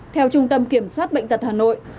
theo trung tâm kiểm soát bệnh tật hà nội